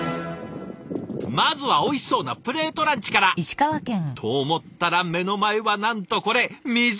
まずはおいしそうなプレートランチから！と思ったら目の前はなんとこれ湖！